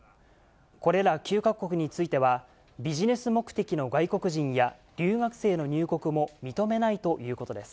これら９か国については、ビジネス目的の外国人や留学生の入国も認めないということです。